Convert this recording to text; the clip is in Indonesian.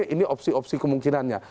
ini opsi opsi kemungkinannya